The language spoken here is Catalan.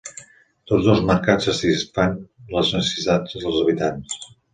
Tots dos mercats satisfan les necessitats dels habitants.